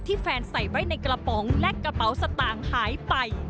แฟนใส่ไว้ในกระป๋องและกระเป๋าสตางค์หายไป